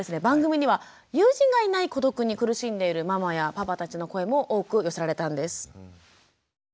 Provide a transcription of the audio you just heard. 番組には友人がいない孤独に苦しんでいるママやパパたちの声も多く寄せられたんです。